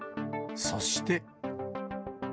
そして。